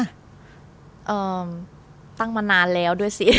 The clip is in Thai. ตั้งมานานแล้วด้วยสิ